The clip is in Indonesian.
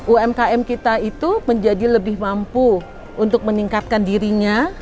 umkm kita itu menjadi lebih mampu untuk meningkatkan dirinya